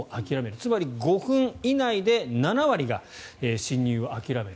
つまり５分以内で７割が侵入を諦める。